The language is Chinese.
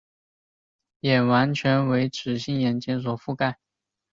眼完全为脂性眼睑所覆盖。